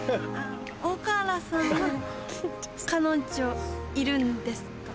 大河原さんは彼女いるんですか？